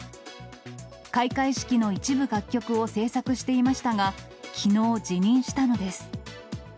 開会式の一部楽曲を制作していましたが、きのう、辞任したのです。